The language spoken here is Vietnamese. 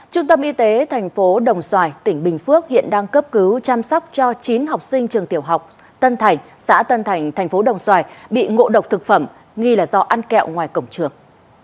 trung tâm y tế thành phố đồng xoài tỉnh bình phước hiện đang cấp cứu chăm sóc cho chín học sinh trường tiểu học tân thành xã tân thành thành phố đồng xoài bị ngộ độc thực phẩm nghi là do ăn kẹo ngoài cổng trường